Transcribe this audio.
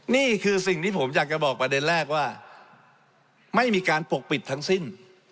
นี่คือสิ่งที่ผมอยากจะบอกประเด็นแรกว่าไม่มีการปกปิดทั้งสิ้น